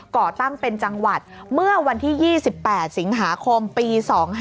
ก่อตั้งเป็นจังหวัดเมื่อวันที่๒๘สิงหาคมปี๒๕๖